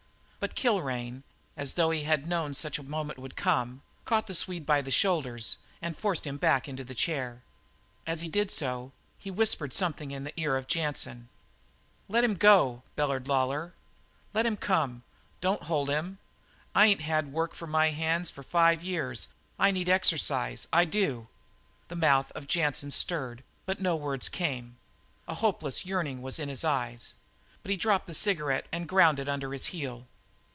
But Kilrain, as though he had known such a moment would come, caught the Swede by the shoulders and forced him back into the chair. As he did so he whispered something in the ear of Jansen. "Let him go!" bellowed Lawlor. "Let him come on. Don't hold him. I ain't had work for my hands for five years. I need exercise, I do." The mouth of Jansen stirred, but no words came. A hopeless yearning was in his eyes. But he dropped the cigarette and ground it under his heel.